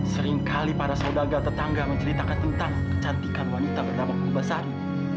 seringkali para saudaga tetangga menceritakan tentang kecantikan wanita bernama kubasari